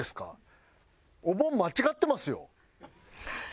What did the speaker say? お盆間違ってますよ？